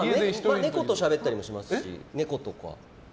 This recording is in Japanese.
猫としゃべったりもしますし。